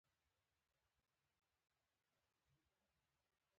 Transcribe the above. • د انګورو جوس طبیعي انرژي ورکوي.